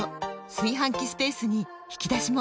炊飯器スペースに引き出しも！